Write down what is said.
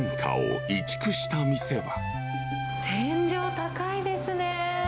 天井高いですね。